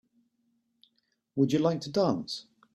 Would you like to dance?